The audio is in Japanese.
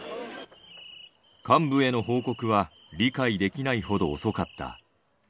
幹部への報告は理解できないほど遅かった。